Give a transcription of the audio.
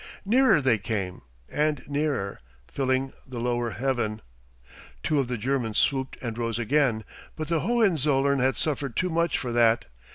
Nearer they came, and nearer, filling the lower heaven. Two of the Germans swooped and rose again, but the Hohenzollern had suffered too much for that.